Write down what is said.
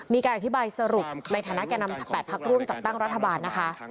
มีการอธิบายสรุปในฐานะแก่นำ๘พักร่วมจัดตั้งรัฐบาลนะคะ